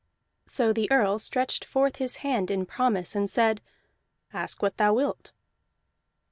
So the Earl stretched forth his hand in promise, and said: "Ask what thou wilt."